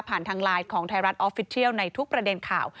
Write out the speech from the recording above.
ผ่านทางไลน์ของในทุกประเด็นข่าว